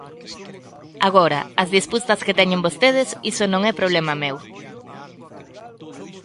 Agora, as disputas que teñan vostedes, iso non é problema meu.